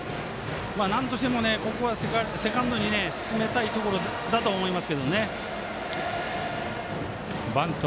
なんとしてもここはセカンドに進めたいところではあると思います。